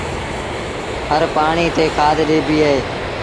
هر پآڻيٚ تي کآڌ ڏبيٚ اهي